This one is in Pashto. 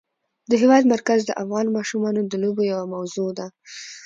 د هېواد مرکز د افغان ماشومانو د لوبو یوه موضوع ده.